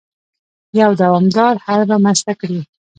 يو دوامدار حل رامنځته کړي.